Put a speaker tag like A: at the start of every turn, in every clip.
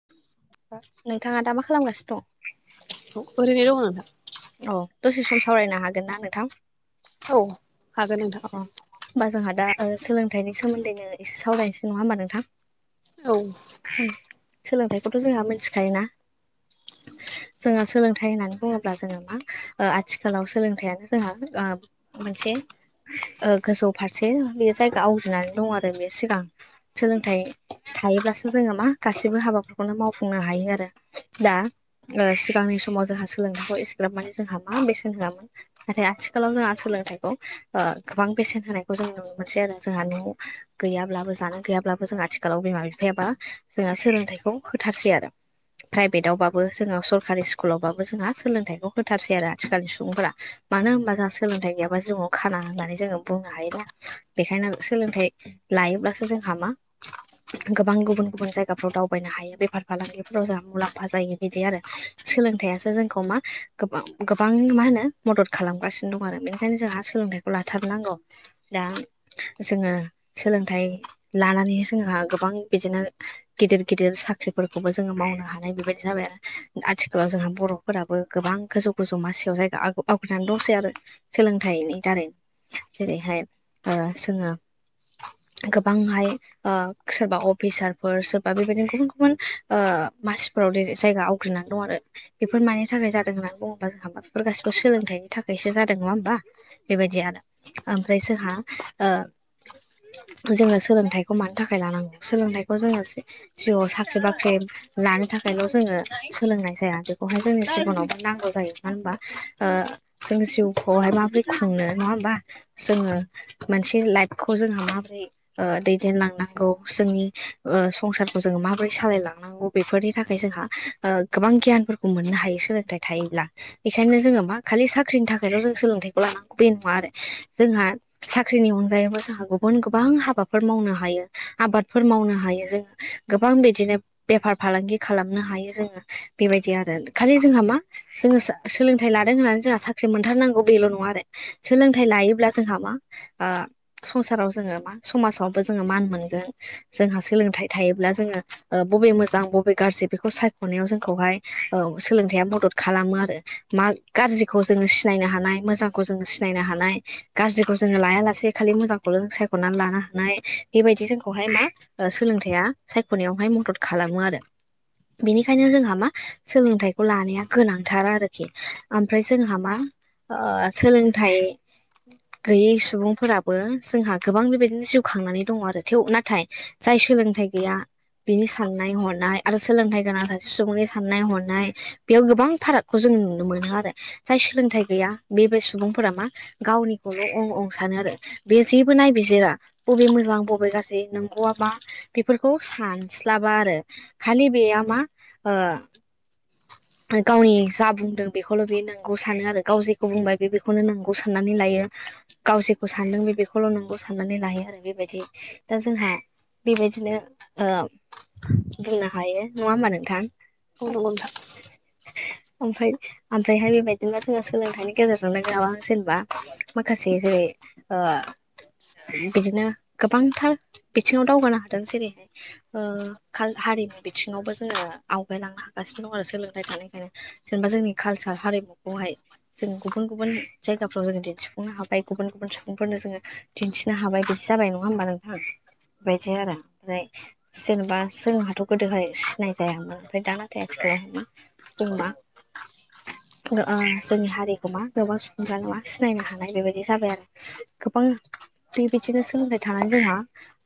A: [inaudible]
B: नोंथाङा दा मा खालामगासिनो दं
A: ओरैनो दङ
B: औ दसे सम सावरायनो हागोन ना नोंथां
A: औ हागोन नोंथां
B: अ होमबा जोंहा दा सोलोंथाइनि सोमोन्दैनो एसे सावरायायनोसै नङा होमबा नोंथां
A: औ
B: उम सोलोंथाइखौथ' जोंहा मिथिखायोना
A: [inaudible]
B: जोङो सोलोंथाइ होननानै बुङोब्ला जोङो मा आथिखालाव सोलोंथाइयानो जोंहा मोनसे ओ गोजौ फारसे बे जायगा आवग्रिनानै दं आरो बे सिगां सोलोंथाइ थायोब्लासो जोङो मा गासैबो हाबाफोरखौनो मावफुंनो हायो आरो दा सिगांनि समाव जोंहा सोलोंथाइखौ एसेग्रब मान जोंहा मा बेसेन होआमोन नाथाय आथिखाल जोंहा सोलोंथाइखौ ओ गोबां बेसेन होनायखौ जों नुनो मोनसै आरो जोंहा न'आव गैयाब्लाबो जानो गैयाब्लाबो जों आथिखालाव बिमा बिफायाबा जोंना सोलोंथाइखौ होथारसै आरो प्राइभेटआवबाबो जोङो सरकारि स्कुलावबाबो जोंहा सोलोंथाइखौ होथारसै आरो आथिखालनि सुबुंफोरा मानो होनबा जोंहा सोलोंथाइ गैयाबा जिउआव खाना होननानै जोङो बुंनो हायोना बेखायनो सोलोंथाइ लायोब्लासो जोंहा मा गोबां गुबुन गुबुन जायगाफ्राव दावबायनो हायो बेफार फालांगिफोराव जोंहा मुलाम्फा जायो बिदि आरो सोलोंथाइयासो जोंखौ मा गोबां गोबां मा होनो मदद खालामगासिनो दं आरो बेनिखायनो जोंहा सोलोंथाइखौ लाथारनांगौ दा जोङो सोलोंथाइ लानानैहाय जोंहा गोबां बिदिनो गिदिर गिदिर साख्रिफोरखौबो जोङो मावनो हानाय बेबायदि जाबाय आरो आथिखालाव जोंहा बर' फोराबो गोबां गोजौ गोजौ मासिआव जायगा आवग्रिनानै दंसै आरो सोलोंथाइनि दारै जेरैहाय ओ जोङो गोबांहाय ओ सोरबा अफिसारफोर सोरबा बेबायदिनो गुबुन गुबुन ओ ओ मासिफो फोराव जेरै जायगा आवग्रिनानै दं आरो बेफोर मानि थाखाय जादों होननानै बुङोबा जोंहा बेफोर गासिबो सोलोंथाइनि थाखायसो जादों नङा होमबा बेबायदि आरो आमफ्राय जोहा ओ जोङो सोलोंथाइखौ मानो थाखाय लानांगौ सोलोंथाइखौ जोङो जिउआव साख्रि बाख्रि लानो थाखायल' जोङो सोलोंनाय जाया बेखौहाय जोंनि जिबनावबो नांगौ जायो मानो होनबा ओ जोङो जिउखौहाय माबोरै खुंनो नङा होमबा जोङो मोनसे लाइफखौ जोंहा माबोरै ओ दैदेनलांनांगौ जोंनि ओ संसारखौ जोङो माबोरै सालायलांनांगौ बेफोरनि थाखाय जोंहा ओ गोबां गियानफोरखौ मोननो हायो सोलोंथाइ थायोब्ला बेखायनो जोङो मा खालि साख्रिनि थाखायल' जों सोलोंथाइखौ लानांगौ बे नङा आरो जोंहा साख्रिनि अनगायैबो जोंहा गुबुन गोबां हाबाफोर मावनो हायो आबादफोर मावनो हायो जों गोबां बिदिनो बेफार फालांगि खालामनो हायो जोङो बेबायदि आरो खालि जोंहा मा जोङो सो सोलोंथाइ लादों होननानै जोंहा साख्रि मोनथारनांगौ बेल' नङा नङा आरो सोलोंथाइ लायोब्ला जोंहा मा ओ संसाराव जोङो मा समाजावबो जोङो मान मोनगोन जोंहा सोलोंथाइ थायोब्ला जोङो ओ बबे मोजां बबे गाज्रि बेखौ सायख'नायाव औ जोंखौहाय सोलोंथाइआ मदद खालामो आरो मा गाज्रिखौ जोङो सिनायनो हानाय मोजां खौ जोङो सिनायनो हानाय गाज्रिखौ जोङो लाया लासे खालि मोजांखौल सायख'नानै लानो हानाय बेबायदि जोंखौहाय मा ओ सोलोंथायाइआ सायख'नायावहाय मदद खालामो आरो बिनिखायनो जोंहा मा सोलोंथाइखौ लानाया गोनांथार आरोखि आमफ्राय जोंहा मा ओ सोलोंथाइ गोयै सुबुंफोराबो जोंहा गोबां बेबायदिनो जिउ खांनानै दङो आरो थेव नाथाय जाय सोलोंथाइ गैया बिनि साननाय हनाय आरो सोलोंथाइ गोनां सासे सुबुंनि साननाय हनाय बेयाव गोबां फारागखौ जों नुनो मोनो आरो जाय सोलोंथाइ गैया बेबाय सुबुं सुबुंफोरा मा गावनिखौल' अं अं सानो आरो बे जेबो नायबिजिरा बबे मोजां बबे नोंगौआ मा बेफोरखौ सानस्लाबा आरो खालि बेया मा ओ गावनि जा बुंदों बेखौल' बे नोंगौ सानो आरो गाव जेखौ बुंबाय बेखौ बेखौनो नोंगौ साननानै लायो गाव जेखौ सानदों बे बेखौल' नोंगौ साननानै लायो आरो बेबादि दा जोंहा बेबायदिनो ओ बुंनो हायो नङा होमबा नोंथां
A: औ नोंगौ नोंथां
B: आमफ्राय आमफ्रायहाय बेबायदिनोबा जोङो सोलोंथाइनि गेजेरजों थांलायबाय नामा [unintelligible] जेनेबा माखासे जेरै ओ बिदिनो गोबांथार बिथिङाव दावगानो हादों जेरै ओ काल हारिमु बिथिङावबो जोङो आवगायलांनो हागासिनो दं आरो सोलोंथाइ थानायखायनो जेनेबा जोंनि कालसार हारिमुखौहाय जों गुबुन गुबुन जायगाफ्राव जोङो दिन्थिफुंनो हाबाय गुबुन गुबुन सुबुंफोरनो जोङो दिन्थिनो हाबाय बिदि जाबाय नङा होमबा नोंथां बेबायदि आरो ओमफ्राय जेनेबा जोंहाथ' गोदोहाय सिनाय जायामोन ओमफ्राय दा नाथाय आथिखालाव मा जों मा ओ जोंनि हारि खौ मा गोबां सुबुंफ्रानो सिनायनो हानाय बेबायदि जाबाय आरो गोबां थिग बिदिनो सोलोंथाइ थानानै जोंहा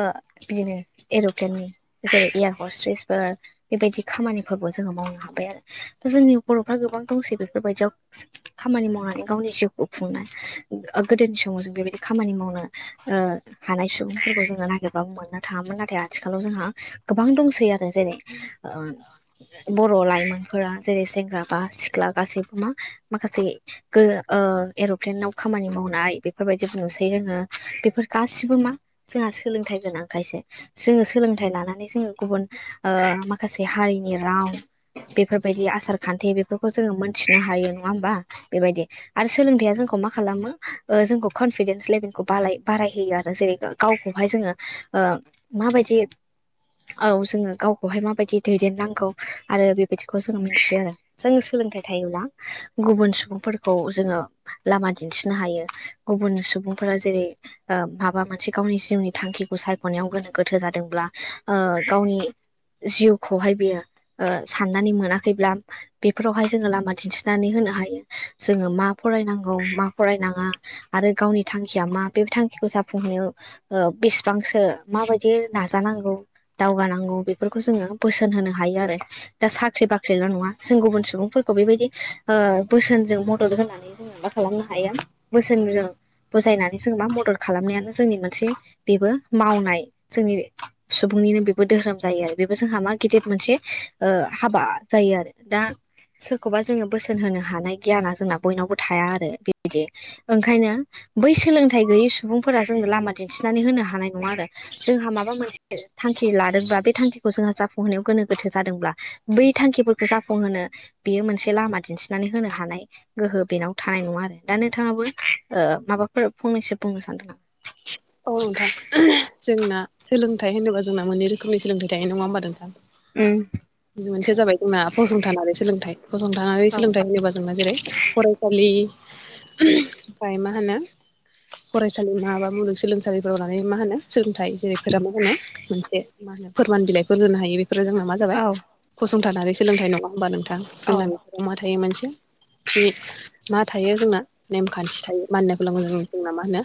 B: ओ बिदिनो एर'प्लेननि जेरै एयार हस्ट्रिसफोर बेबायदि खामानिफोरबो जोङो मावनो हाबाय आरो दा जोंनि बर'फ्रा गोबां दंसै बेफोरबायदियाव खामानि मावनानै गावनि जिउखौ खुंनाय गोदोनि समाव जों बेबायदि खामानि मावो ओ [unintelligible] हानाय सुबुंफोरखौ जोङो नागिरबाबो मोननो थाङामोन नाथाय आथिखालाव जोंहा गोबां दंसै आरो जेरै ओ बर' लाइमोनफोरा जेरै सेंग्रा बा सिख्ला गासैबो मा माखासे गो ओ एर'प्लेनाव खामानि मावनाय बेफोरबायदि नुसै जोङो बेफोर गासिबो मा जोंहा सोलोंथाइ गोनांखायसो जोङो सोलोंथाइ लानानै जोङो गुबुन ओ माखासे हारिनि राव बेफोरबायदि आसार खान्थि बेफोरखौ जोङो मोनथिनो हायो नङा होमबा बेबायदि आरो सोलोंथाइआ जोंखौ मा खालामो जोंखौ ओ कनफिडेन्स लेबेलखौ बारायहोयो आरो जेरैबो गावखौहाय जोङो ओ माबायदि औ जोङो गावखौहाय माबायदि दैदेननांगौ आरो बेबायदिखौ जोङो मिथियो आरो जोङो सोलोंथाइ थायोब्ला गुबुन सुबुंफोरखौ जोङो लामा दिन्थिनो हायो गुबुन सुबुंफोरा जेरै ओ माबा मोनसे गावनि जिउनि थांखिखौ सायख'नायाव गोनो गोथो जादोंब्ला ओ गावनि जिउखौहाय बियो ओ साननानै मोनाखैब्ला बेफोरावहाय जोङो लामा दिन्थिनानै होनो हायो जोङो मा फरायनांगौ मा फरायनाङा आरो गावनि थांखिया मा बे थांखिखौ जाफुंहोनायाव ओ बिसिबांसो माबायदि नाजानांगौ दावगानांगौ बेफोरखौ जोङो बोसोन होनो हायो आरो दा साख्रि बाख्रिल' नङा जों गुबुन सुबुंफोरखौ बेबायदि ओ बोसोनजों मदद होनानै जों माबा खालामनो होयो बोसोनजों बुजायनानै जेनबा मदद खालामनायानो जोंनि मोनसे बेबो मावनाय जोंनि सुबुंनिनो बेबो धोहोरोम जायो आरो बेबो जोंहा मा गिदिर मोनसे ओ हाबा जायो आरो दा सोरखौबा जोङो बोसोन होनो हानाय गियाना जोंना बयनावबो थाया आरो बेबायदि ओंखायनो बै सोलोंथाइ गैयै सुबुंफोरा जोंनो लामा दिन्थिनानै होनो हानाय नङा आरो जोंहा माबा मोनसे थांखि लादोंब्ला बे थांखिखौ जोंहा जाफुंहोनायाव गोनो गोथो जादोंब्ला बै थांखिफोरखौ जाफुंहोनो बेयो मोनसे लामा दिन्थिनानै होनो हानाय गोहो बेनाव थानाय नङा आरो दा नोंथाङाबो ओ माबाफोर फंनैसो बुंनो सानदों नामा
A: औ नोंथां जोंना सोलोंथाइ होनोबा जोंना मोननै रोखोमनि सोलोंथाइ थायो नङा होमबा नोंथां
B: उम
A: मोनसेया जाबाय जोंना फसंथानारि सोलोंथाइ फसंथारि
B: औ
A: सोलोंथाइ होनोबा जोंना जेरै फरायसालि ओमफ्राय मा होनो फरायसालि नोङाबा मुगसोलोंसालिफोराव लानानै मा होनो सोलोंथाइ जेरैफोरा मा होनो मोनसे मा होनो फोरमान बिलाइफोर होनो हायो बे फोरो जोंना मा
B: औ
A: जाबाय फसंथानारि सोलोंथाइ नङा होमबा नोंथां जोंना बिसोराव मा थायो मोनसे थि मा थायो जोंना नेमखान्थि थायो मानिनाखौ जों जोंना मा होनो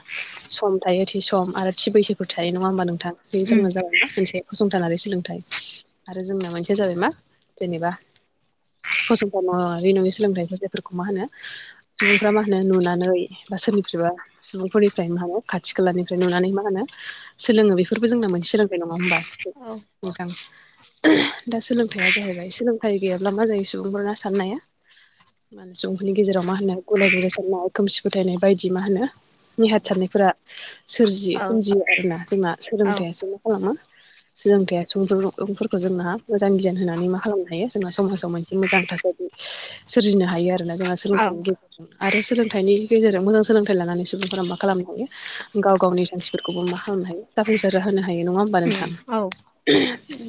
A: सम थायो थि सम आरो थि बैसोबो थायो नङा होमबा नोंथां बे
B: उम
A: जोंना जाबाय मोनसे फसंथानारि सोलोंथाइ आरो जोंना मोनसे बे जाबाय मा जेनेबा फसंथानारि नङि सोलोंथाइफोर जायफोरखौ मा होनो सुबुंफ्रा मा होनो नुनानै बा सोरनिफ्रायबा सुबुंफोरनिफ्राय मा होनो खाथि खालानिफ्राय नुनानै मा होनो सोलोङो बेफोरबो जोंना मोनै सोलोंनाय नंङा होनोमबा दे
B: औ
A: नोंथां दा सोलोंथाइ जाहैबाय सोलोंथाइ गैयाब्ला मा जायो। सुबुंफोरना साननाया मा होनो सुबुंफोरनि गेजेराव मा होनो गुलाय गुलाय सारनाय खोमसि फोथायनाय बायदि मा होनो नेहाथ सारनायफोरा सोरजियो
B: औ
A: सोमजियो आरोना जोंना
B: औ
A: सोलोंथाइसो खालामो सोलोथाइया सुबुुंफोरखौ सुबुंफोरखौ जोंना मोजां गियान होनानै मा खालामनो हायो जोंना समाजाव मोनसे मोजां थासारि सोरजिनो हायो आरोना जोंहा सोलोंथाइनि गेजेरजों आरो सोलोंथाइनि गेजेरजों मोजां सोलोंथाइ लानानै सुबुंफोरा मा खालामनो हायो। गाव गावनि थांखिफोरखौबो मा खालामनो हायो जाफुंसारा होनो हायो नंङा होमबा होमबा
B: उम
A: नोंथां
B: औ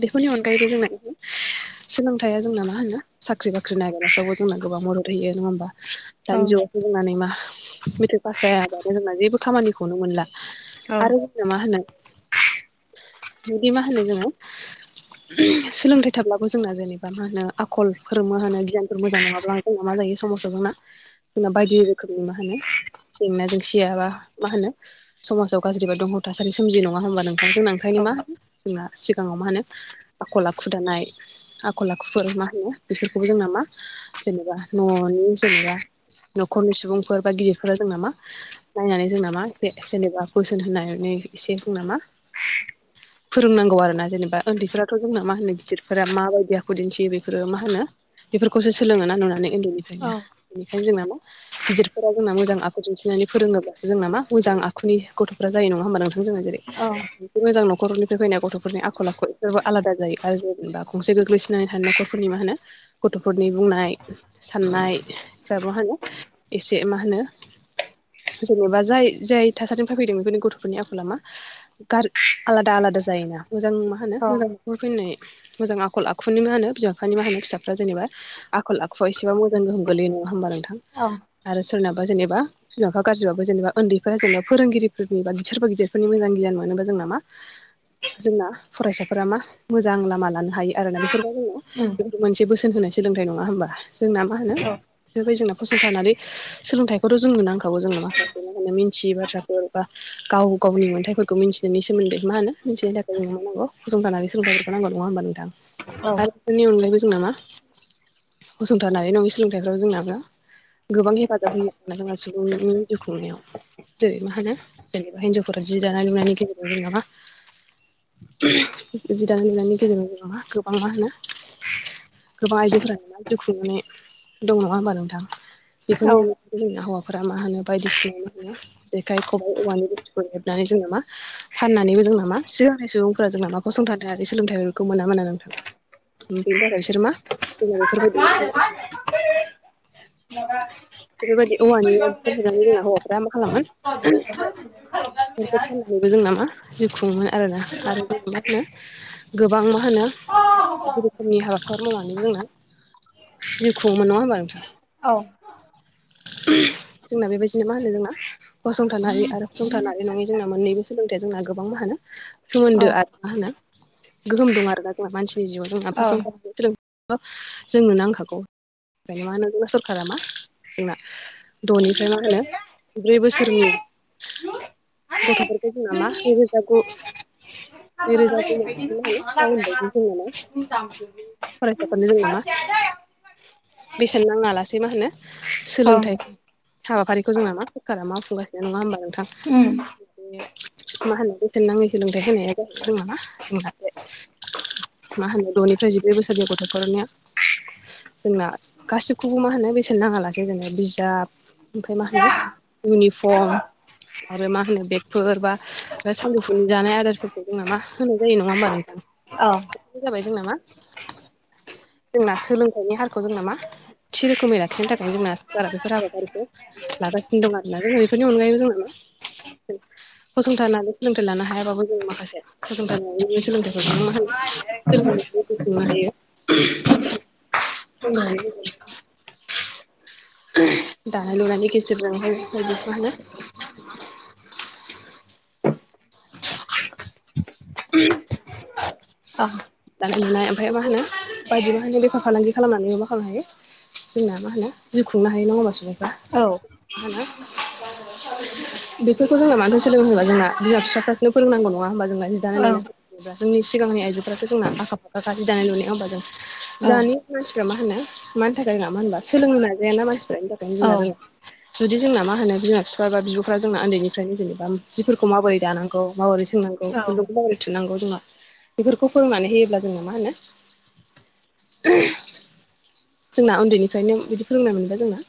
A: बेफोरनि अनगायैबो जोंना सोलोंथाय जोंना मा होनो साख्रि बाख्रि नागिरनायफ्रावबो जोंना गोबां मदद होयो नंङा होमबा
B: औ
A: दानि जुगाव जोंनानै मा मेट्रिक पास जायाबानो जोंना जेबो खामानिखौनो मोनला आरो मा होनो जोंदि मा होनो जोंङो सोलोंथाइ थाब्लाबो जोंना जेनेबा मा होनो आखल फोरोंमो होनो गियानफोर मोजां नंङाब्ला जोंना मा जायो समाजाव जोंना जोंना बायदि रोखोमनि मा होनो जेंना जेंसियाबा मा होनो समाजाव गाज्रिबा दंहाव थासारि सोमजि नंङा होमबा नोंथांजों
B: औ
A: ओंखायनो मा होनो जोंना सिगांङाव मा होनो आखल आखु दानाय आखल आखुफोर मा होनो बेफोरखौबो जोंना मा जेनेबा न'नि जेनेबा न'खरनि सुबुंफोर बा गिदिरफोरा जों नामा नायनानै जोंना मा एसे जेनेबा कुइसन होननानै एसे जों ना मा फोरोंनांगौ आरो ना जेनेबा उन्दैफ्रा जोंना मा होनो गिदिरफोरा मााबायदि आखु दिन्थियो बेफोरो मा होनो बेफोरखौसो सोलोंङोना नुनानै
B: औ
A: उन्दैनिफ्रायनो बेनिखायनो जोंना मा गिदिरफोरा जोंना मोजां आखु दिन्थिनानै फोरोंङोब्लासो जोंना मा मोजां आखुनि गथ'फोरा जायो नंङा होमबा नोंथां जोंङो जेरै मोजां न'खरनिफ्राय फैनाय गथ'फोरनि आखल आखु सोरबा आलादा जायो आरो जेनेबा गंसे गोग्लैसोनानै थानाय न'खरफोरनि मा होनो गथ'फोरनि बुंनाय साननायफ्रा बा मा होनो एसे मा होनो जेनेबा जाय जाय थासारिनिफ्राय फैदों बेफोरनि गथ'फोरनि आखला मा गारि आलादा आलादा जायोना मोजां मा
B: औ
A: होनो मोजां बे फैनाय मोजां आखल आखुनि मा होनो बिमा बिफानि मा होनो फिसाफ्रा जेनेबा आखल आखुआ एसेबाबो मोजां गोहोम गोलैयो नंङा होमबा नोंथां
B: औं
A: आरो सोरनाबा जेनेबा बिमाफा गाज्रिाबबो जेनेबा उन्दैफोरा जेनबा फोरोंगिरिफोरनि बा बिसोरबो गिदिरफोरनि मजां गियान मोनोबो जों नामा जोंना फरायसाफोरा मा मोजां लामा लानो हायो आरोना बेफोरबायदिनो जोंनो
B: उम
A: मोनसे बोसोन होनाय सोलोंथाइ नङा होमबा जोंना मा होनो बेफोराबायदि जोंना फसंथानानै सोलोंथाइखौथ' जोंनो नांखागौ जोंनो माखासे मा होनो मिथियि बाथ्राफोर बा गाव गावनि मोन्थायफोरखौ मिन्थिनायनि सोमोन्दै मा होनो मिथिनो थाखाय जों मा नांगौ फसंथान सोलोंथफोरखौ नांगौ नंङा होमबा नोंथां
B: औ
A: आरो बेफोरनि अनगायैबो जोंना मा फसंथानारि नंङै सोलोंथाइफ्राव जोंनाबो गोबां हेफाजाब होयो मोन जोङा सुबुंनि जिउ खुंनायाव जेरै मा होनो जेनेबा हिन्जावफोरा जि दानाय लुनायनि गेजेराव जोंना मा जि दानाय लुनायनि गेजेरजोंबो जोंहा मा गोबां मा होनो गोबां आइजोफोरा जिउ खुंनाय दं नंङा होमबा नोंथां
B: औ
A: बेफोरनि जोंना हौवाफोरा मा होनो बायदिसिना मा जेखाइ खबाइ औवानि बुस्थुखौ हेबनानै जोंङो मा फाननानैबो जोंना मा सिगांनि सुबुंफोरा जोंनामा फसंथानारि सोलोंथाइफोरखौ मोना मोनो बेनो आरो बिसोर मा जोङो बेफोरबायदि मा होनो
B: माबा बे
A: बेफोरबायदि औवानि
B: बोरैबा
A: आगजु
B: मोननाय
A: हेबनानै
B: मोनसेया
A: जोंना हौवाफ्रा मा खालामो बेफोरखौ फाननानैबो जोंना मा जिउ खुङो आरोना आरो जों मा होनो गोबां मा होनो
B: औ
A: बायदि रोखोमनि हाबाफोर मावनानै जोङो जिउ खुंङोमोन नङा होमबा नोंथां।
B: औ
A: जोंना बेबायदिनो मा होनो जोंना फसंथानारि आरो फसंथानारि नङै जोंना मोननैबो सोलोंथाइया जोंना गोबां मा होनो
B: उम
A: सोमोन्दो
B: औ
A: आरो मा होनो गोहोम दं आरोना जोंहा मानसिनि जिउआव जोंना
B: औ
A: फसंथान सोलोंथाय जोंनो नांखागौ बेखायनो मा होनो सरखारा मा जोंना द'निफ्राय मा होनो ब्रै बोसोरनि गथ'फोरखौबो जोंना मा नैरोजा गु नैरोजा द' मा होनो जोंना मा फरायसाफोरनो जोंना मा बेसेन नाङालासेै मा होनो सोलोंथाइ हाबाफारिखौ जोंना मा सोररखारा मावफुंगासिनो नङा होमबा नोंथां।
B: उम
A: बे मा होनो बेसेन नाङै सोलोंथाय होनाया जोंना मा मा होनो द'निफ्राय जिब्रै बोसोरनि गथ'फोरनिया जोंना गासिखौबो मा होनो बे नाङा लासेै जोङो बिजाब ओमफ्राय मा होनो इउनिफर्म आरो मा होनो बेगफोर बा सानजौफुनि जानाय आदारफोरखौ मा होनाय जायो नङा होमबा नोंथां। हारसिं जाबाय जों नामा जोंना सोलोंथाइनि हारखौ जोंना मा थि रोखोमै ला बेनि थाखायनो जोंना बारा बेफोर हाबाफारिखौ लागासिनो दं आरोना जोङो बेफोरनि अनगायैबो जोङो जों फसंथाननानै सोलोंथाइ लानो हायाबाबो जों माखासे फसंथान नङि सोलोंथाइखौ मा सोलों खुंनो हायो। [inaudible] दानाय लुनानै गेजेरजोंहाय जोंहा मा होनो [inaudible] दानाय लुनाय ओमफ्राय मा होनो बायदि मा होनो बेफार फालांगि खालामनानैबो मा खालामनो हायो जोंना मा होनो जिउ खुंनो हायो नङा होनबा सुबुंफ्रा
B: औ
A: मा होनो बेफोरखौ जोंना मानो सोलोंथाइ होनोबा जोंना बिमा बिफाफ्रासो फोरोंनांगौ नङा होमबा जोंहा दानाय
B: औ
A: लुनाया जोंनि सिगांनि आइजोफ्राथ' जोंना आखा फाखा जाखायो दानाय लुनायाव होमबा जों
B: औ
A: जोंनि मानसिफ्रा मा होनो मानि थाखाय रोङा मा होनबा सोलोंनो नाजायाना मानसिफनि थाखायनो
B: औ
A: जोंना रोङा। जुदि जोंना मा होनो बिमा बिफा बा बिब'फ्रा जोंना उन्दैनिफ्रायनो जेनेबा जिफोरखौ माबोरै दानांगौ माबोरै सोंनांगौ
B: औ
A: खुन्दुंखौ माब्रै थुनांगौ जोंहा बेफोरखौ फोरोंनानै होयोब्ला जोङो मा होनो जोंना उन्दैनिफ्रायनो बिदि फोरोंनाय मोनबा जोंना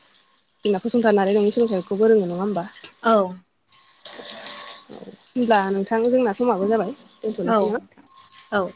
A: [unintelligible] सोलोंथाइखौ रोङो नङा होनबा।
B: औ
A: होनब्ला नोंथां जोंना समाबो जाबाय
B: औ
A: दोनथ'नोसै ना।
B: औ